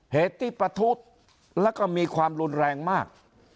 เหตุที่ประทุดแล้วก็มีความรุนแรงมาก